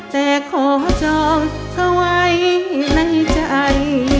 แต่ขอจองเธอไว้ในใจ